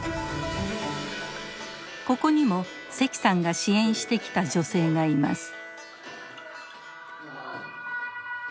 ここにも石さんが支援してきた女性がいます。